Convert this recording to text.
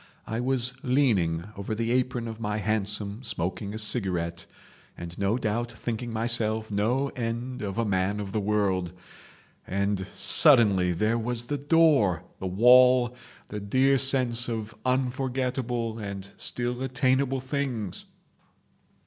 I was leaning over the apron of my hansom smoking a cigarette, and no doubt thinking myself no end of a man of the world, and suddenly there was the door, the wall, the dear sense of unforgettable and still attainable things.